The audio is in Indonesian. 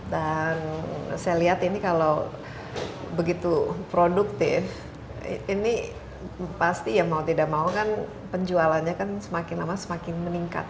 dan saya lihat ini kalau begitu produktif ini pasti ya mau tidak mau kan penjualannya kan semakin lama semakin meningkat